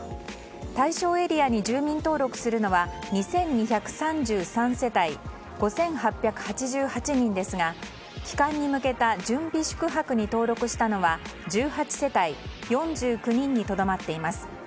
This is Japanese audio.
対象エリアに住民登録するのは２２３３世帯５８８８人ですが帰還に向けた準備宿泊に登録したのは１８世帯１９人にとどまっています。